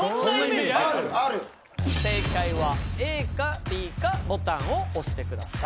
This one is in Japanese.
正解はＡかＢかボタンを押してください。